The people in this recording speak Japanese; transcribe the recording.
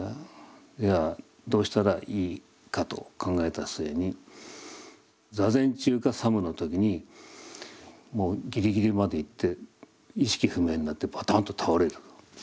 ではどうしたらいいかと考えた末に坐禅中か作務の時にもうギリギリまでいって意識不明になってバタンと倒れる。